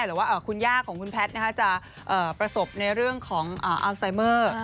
หรือว่าคุณย่าของคุณแพทย์จะประสบในเรื่องของอัลไซเมอร์